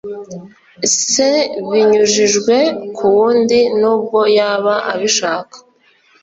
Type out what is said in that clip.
se binyujijwe ku wundi n ubwo yaba abishaka.